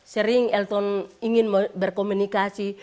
sering elton ingin berkomunikasi